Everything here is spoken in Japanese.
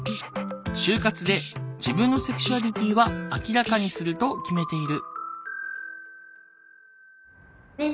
就活で自分のセクシュアリティーは明らかにすると決めている。